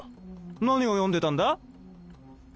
何を読んでたんだ？